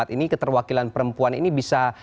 ini keterwakilan perempuan ini bisa